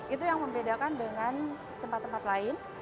itu yang membedakan dengan tempat tempat lain